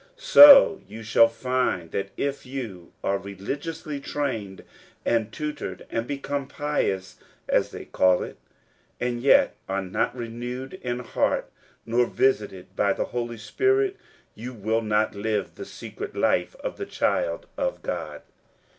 So you shall find, that if you are religiously trained and tutored, and become "pious," as they call it, and yet are not renewed in heart, nor visited by the Holy Ghost, you will not live the secret life of the child of God.